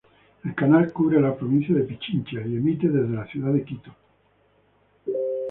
El canal cubre la provincia de Pichincha y emite desde la ciudad de Quito.